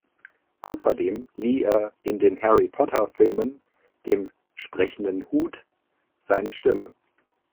Außerdem lieh er in den Harry Potter-Filmen dem "Sprechenden Hut" seine Stimme.